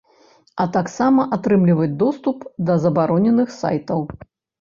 А таксама атрымліваць доступ да забароненых сайтаў.